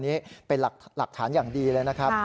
จากวงจรปิดตัวนี้เป็นหลักฐานอย่างดีเลยนะครับ